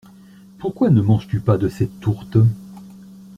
Pourquoi ne manges-tu pas de cette tourte?